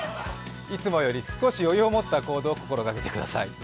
いつもより少し余裕を持った行動を心がけてください。